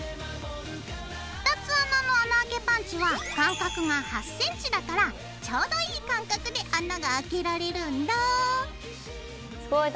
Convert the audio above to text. ２つ穴の穴あけパンチは間隔が８ｃｍだからちょうどいい間隔で穴があけられるんだあ。